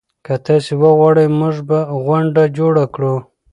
که تاسي وغواړئ موږ به غونډه جوړه کړو.